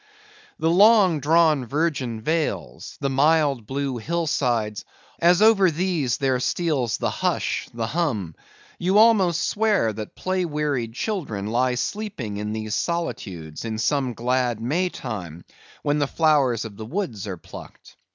The long drawn virgin vales; the mild blue hill sides; as over these there steals the hush, the hum; you almost swear that play wearied children lie sleeping in these solitudes, in some glad May time, when the flowers of the woods are plucked.